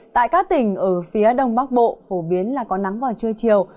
tại các tỉnh ở phía đông bắc bộ phổ biến là có nắng vào trưa chiều